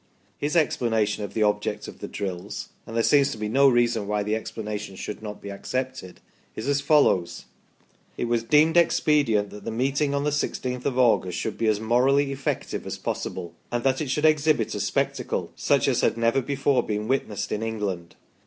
His explanation of the object of the drills and there seems to be no reason why the explanation should not be accepted is as follows : "It was deemed expedient that the meeting on the 16th of August should be as morally effective as possible, and that it should exhibit a spectacle such as had never before been witnessed in England.